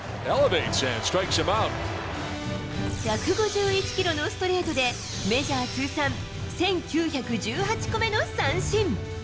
１５１キロのストレートで、メジャー通算１９１８個目の三振。